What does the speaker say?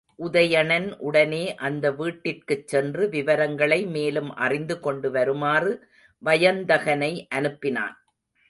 உதயணன், உடனே அந்த வீட்டிற்குச் சென்று விவரங்களை மேலும் அறிந்துகொண்டு வருமாறு வயந்தகனை அனுப்பினான்.